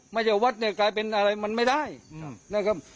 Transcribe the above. วัดเนี่ยกลายเป็นอะไรมันไม่ได้นะครับ